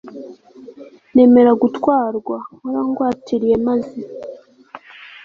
nemera gutwarwa, warangwatiriye maze